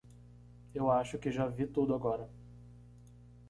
Eu acho que já vi tudo agora.